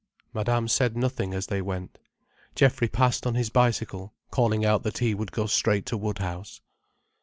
Madame said nothing as they went. Geoffrey passed on his bicycle, calling out that he would go straight to Woodhouse.